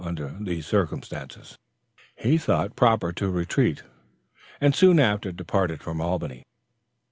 Under these circumstances, he thought proper to retreat, and soon after departed from Albany.